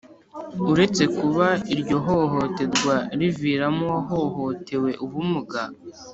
uretse kuba iryo hohoterwa riviramo uwahohotewe ubumuga